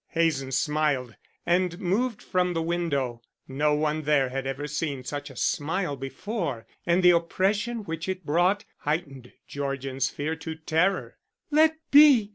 Hazen smiled and moved from the window. No one there had ever seen such a smile before, and the oppression which it brought heightened Georgian's fear to terror. "Let be!"